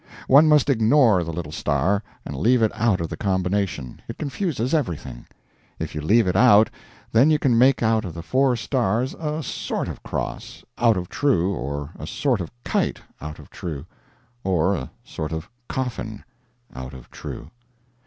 One must ignore the little star, and leave it out of the combination it confuses everything. If you leave it out, then you can make out of the four stars a sort of cross out of true; or a sort of kite out of true; or a sort of coffin out of true.